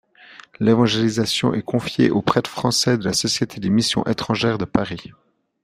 L'évangélisation est confiée aux prêtres français de la société des Missions étrangères de Paris.